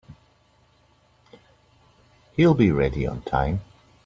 He'll be ready on time.